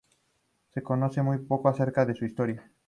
Se conoce muy poco acerca de su historia.